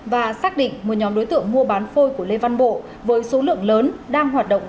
và xác định một nhóm đối tượng mua bán phôi của lê văn bộ với số lượng lớn đang hoạt động